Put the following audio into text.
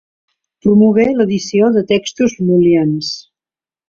Promogué l'edició de textos lul·lians.